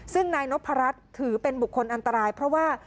ซึ่งนายนพรัชถือเป็นบุคคลอันตรายเพราะว่า